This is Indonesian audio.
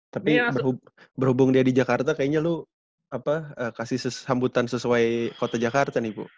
tapi berhubung dia di jakarta kayaknya lu kasih sambutan sesuai kota jakarta nih bu